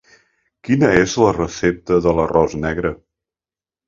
Quina és la recepta de l'arròs negre?